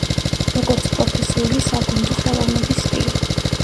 როგორც პროფესიული საგუნდო ხელოვნების სტილი.